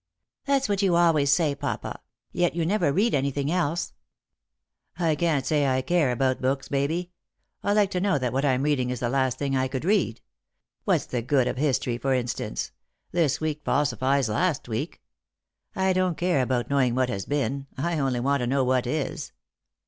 " That's what you always say, papa; yet you never read any thing else." " 1 can't say I care about books, Baby. I like to know that what I'm reading is the last thing I could read. What's the good of history, for instance ? this week falsifies last week. I don't care about knowing what has been — I only want to know what is.